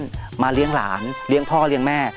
เพื่อจะไปชิงรางวัลเงินล้าน